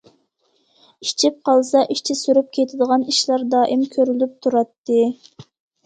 ئىچىپ قالسا، ئىچى سۈرۈپ كېتىدىغان ئىشلار دائىم كۆرۈلۈپ تۇراتتى.